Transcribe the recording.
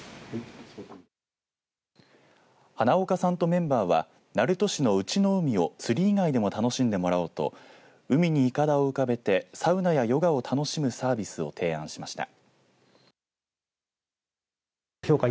花岡さんとメンバーは鳴門市のウチノ海を釣り以外でも楽しんでもらおうと海にいかだを浮かべてサウナやヨガを楽しむサービスを提案しました。